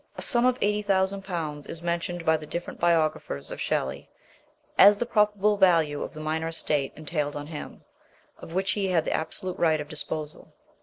A sum of 80,000 is mentioned by the different biographers of Shelley as the probable value of the minor estate entailed on him, of which he had the absolute right of disposal.